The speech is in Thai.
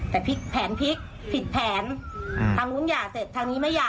แต่พลิกแผนพลิกผิดแผนอ่าทางนู้นหย่าเสร็จทางนี้ไม่หย่า